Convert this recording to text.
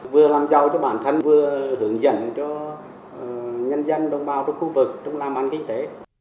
vừa làm giàu cho bản thân vừa hướng dẫn cho nhân dân đồng bào trong khu vực trong làm ăn kinh tế